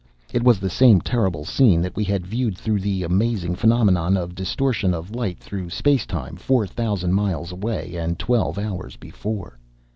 It was the same terrible scene that we had viewed, through the amazing phenomenon of distortion of light through space time, four thousand miles away and twelve hours before.